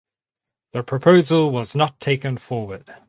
The proposal was not taken forward.